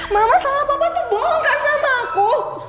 mama salah apa apa tuh bohong kan sama aku